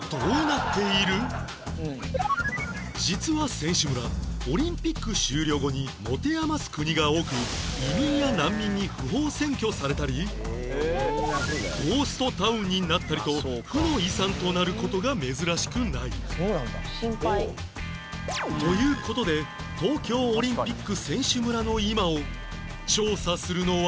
実は選手村オリンピック終了後に持て余す国が多く移民や難民に不法占拠されたりゴーストタウンになったりと負の遺産となる事が珍しくないという事で東京オリンピック選手村の今を調査するのは